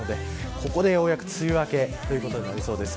ここでようやく梅雨明けになりそうです。